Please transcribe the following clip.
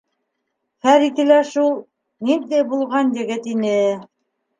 Фәрите лә шул, ниндәй булған егет ине.